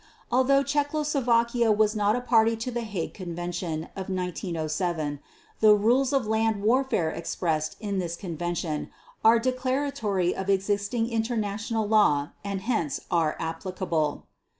Although Czechoslovakia was not a party to the Hague Convention of 1907, the rules of land warfare expressed in this Convention are declaratory of existing international law and hence are applicable.